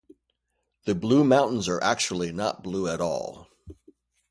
The Blue Mountains are actually not blue at all.